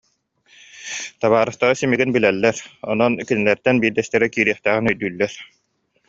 Табаарыстара симигин билэллэр, онон кинилэртэн биирдэстэрэ киириэхтээҕин өйдүүллэр